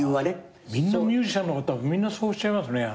みんなミュージシャンの方そうおっしゃいますね。